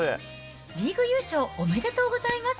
リーグ優勝おめでとうございます。